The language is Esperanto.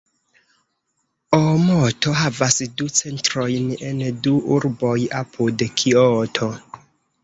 Oomoto havas du centrojn en du urboj apud Kioto.